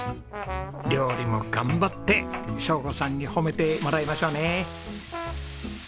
料理も頑張って晶子さんに褒めてもらいましょうね。